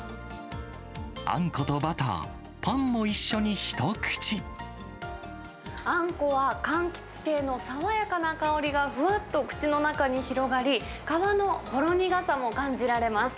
あんことバター、パンも一緒に一あんこは、かんきつ系の爽やかな香りがふわっと口の中に広がり、皮のほろ苦さも感じられます。